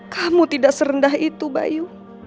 kamu tidak serendah itu bayu